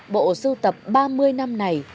bộ sưu tập ba mươi năm này